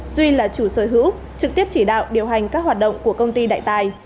duy là chủ sở hữu trực tiếp chỉ đạo điều hành các hoạt động của công ty đại tài